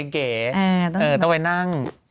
ต้องไปนั่ง